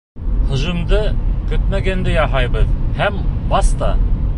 Һөжүмде көтмәгәндә яһайбыҙ һәм баста!